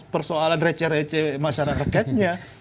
persoalan receh receh masyarakatnya